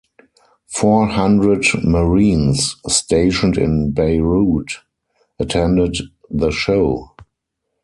Four hundred Marines stationed in Beirut attended the show.